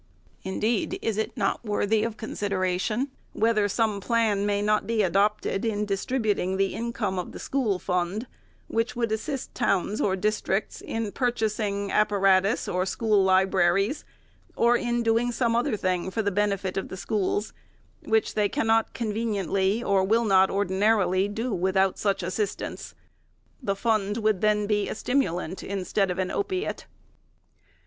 Indeed, is it not worthy of considera tion, whether some plan may not be adopted in distrib uting the income of the school fund, which would assist towns or districts in purchasing apparatus or school libraries, or in doing some other thing for the benefit of the schools, which they cannot conveniently, or will not ordinarily, do without such assistance ? The fund would then be a stimulant instead of an opiate.